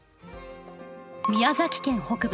宮崎県北部